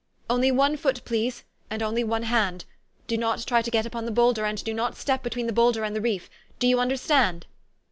" Only one foot, please, and only one hand. Do not try to get upon the bowlder, and do not step between the bowlder and the reef. Do you under stand?"